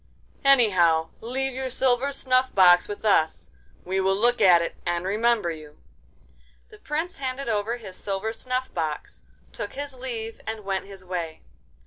'Anyhow, leave your silver snuff box with us. We will look at it and remember you.' The Prince handed over his silver snuff box, took his leave, and went his way.